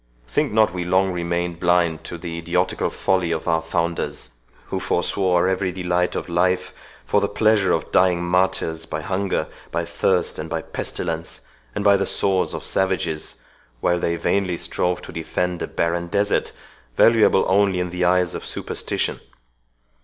Think not we long remained blind to the idiotical folly of our founders, who forswore every delight of life for the pleasure of dying martyrs by hunger, by thirst, and by pestilence, and by the swords of savages, while they vainly strove to defend a barren desert, valuable only in the eyes of superstition.